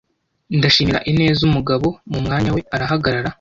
ndashimira ineza umugabo mu mwanya we arahagarara